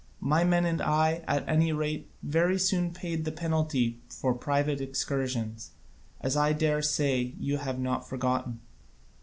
My men and I, at any rate, very soon paid the penalty for private excursions; as I dare say you have not forgotten."